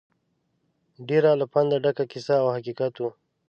ډېره له پنده ډکه کیسه او حقیقت وه.